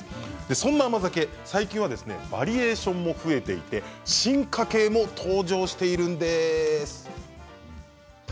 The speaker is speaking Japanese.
そんな甘酒、最近はバリエーションも増えていて進化形も登場しているんです。